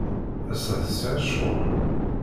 Ass-a, tesɛid ccɣel?